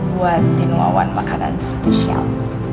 buatin wawan makanan spesial